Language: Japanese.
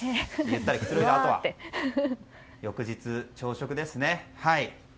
ゆったりくつろいだあとは翌日、朝食ですね。